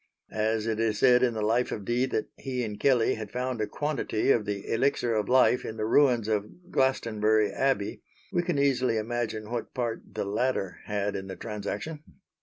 As it is said in the life of Dee that he and Kelley had found a quantity of the Elixir of Life in the ruins of Glastonbury Abbey, we can easily imagine what part the latter had in the transaction.